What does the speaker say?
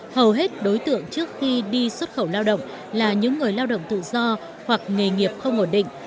hầu hết đối tượng trước khi đi xuất khẩu lao động là những người lao động tự do hoặc nghề nghiệp không ổn định